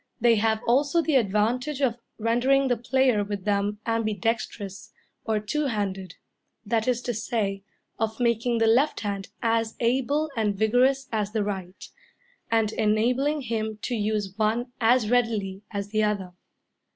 They have also the advantage of rendering the player with them ambidextrous, or two handed; that is to say, of making the left hand as able and vigorous as the right, and enabling him to use one as readily as the other.